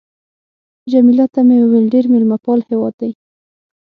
جميله ته مې وویل: ډېر مېلمه پال هېواد دی.